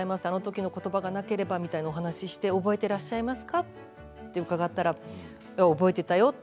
あのときのことばがなければというお話をして覚えてらっしゃいますか？と伺ったら、覚えていたよ